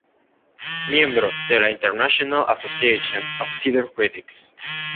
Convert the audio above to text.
Miembro de la Internacional Association of Theatre Critics.